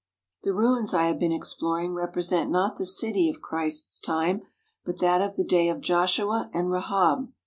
The ruins I have been exploring represent not the city of Christ's time, but that of the day of Joshua and Rahab.